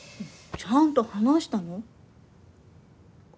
ちゃんと話したの？